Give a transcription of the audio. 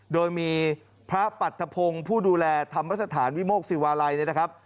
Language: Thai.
โดยมีพระปรัฐพงศ์ผู้ดูแลธรรมสถานวิโมกศิวาลัยเนี่ยนะครับ